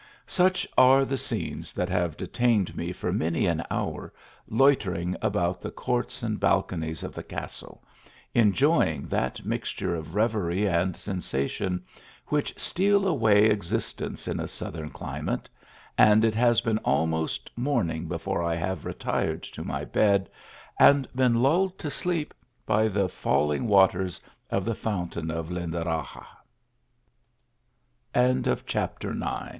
Such are the scenes that have detained me for many an hour loitering about the courts and bal conies of the castle, enjoying that mixture of reverie and sensation which steal away existence in a south ern climate and it has been almost morning before I have retired to my bed, and been lulled to sleep by the falling waters of the f